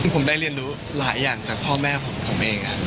ผมได้เรียนรู้หลายอย่างจากพ่อแม่ของผมเอง